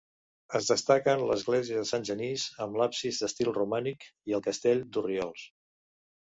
En destaquen l'Església de Sant Genís, amb l'absis d'estil romànic, i el Castell d'Orriols.